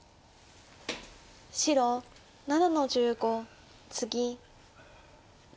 白７の十五ツギ。